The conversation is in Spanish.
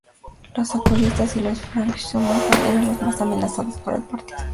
Los ocultistas y los francmasones eran los más amenazados por el partido.